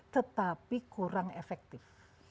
tetapi kurang efektif